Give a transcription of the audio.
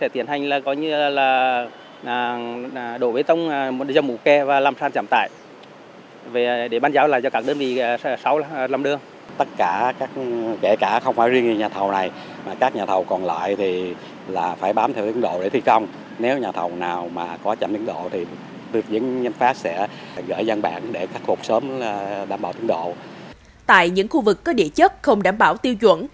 tại những khu vực có địa chất không đảm bảo tiêu chuẩn